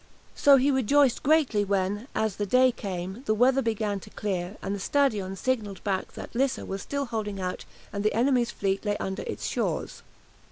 So he rejoiced greatly when, as the day came, the weather began to clear, and the "Stadion" signalled back that Lissa was still holding out and the enemy's fleet lay under its shores.